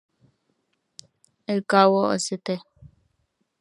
El cabo St.